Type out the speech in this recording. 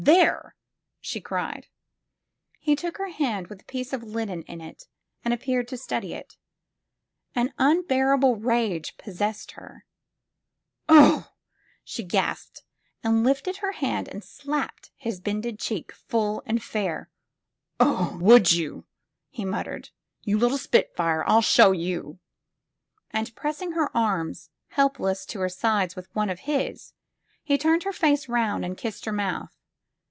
"There!" she cried. He took her hand with the piece of linen in it and appeared to study it. An unbearable rage possessed her. 206 THE FILM OF FATE " Oh !" she gasped, and lifted her hand and slapped his bended cheek full and fair. *' Ah, would you T ' he muttered. '* You little spitfire ! Ill show you!" And pressing her arms helpless to her sides with one of his, he turned her face round and kissed her mouth.